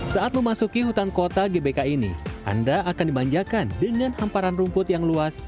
saat memasuki hutan kota gbk ini anda akan dimanjakan dengan hamparan rumput yang luas